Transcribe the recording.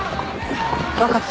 分かった。